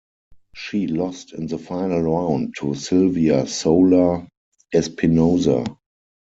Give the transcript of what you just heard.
She lost in the final round to Silvia Soler Espinosa.